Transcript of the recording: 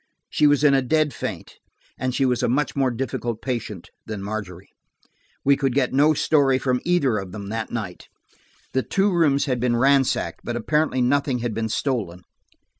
She was in a dead faint, and she was a much more difficult patient than Margery. We could get no story from either of them that night. The two rooms had been ransacked, but apparently nothing had been stolen.